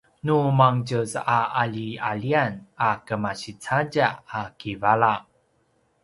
nu mangetjez a qalialian a kemasi cadja a kivala